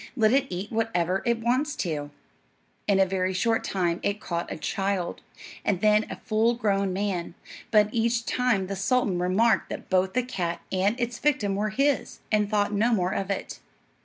Let it eat whatever it wants to." In a very short time it caught a child, and then a full grown man; but each time the sultan remarked that both the cat and its victim were his, and thought no more of it.